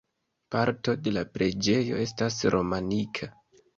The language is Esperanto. Parto de la preĝejo estas romanika.